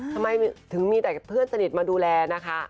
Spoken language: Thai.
ทำไมถึงมีแต่เพื่อนสนิทมาดูแลนะคะ